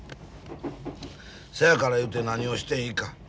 せやからいうて何をしていいか。